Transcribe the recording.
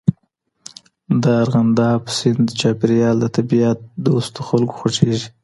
د ارغنداب سیند چاپېریال د طبیعت دوستو خلکو خوښیږي.